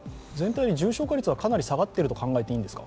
重症化率はかなり下がっていると捉えていいんですか。